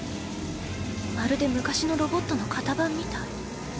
まるで昔のロボットの型番みたい